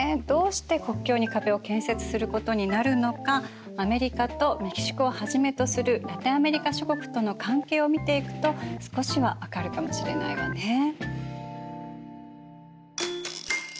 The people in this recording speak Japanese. どうして国境に壁を建設することになるのかアメリカとメキシコをはじめとするラテンアメリカ諸国との関係を見ていくと少しは分かるかもしれないわね。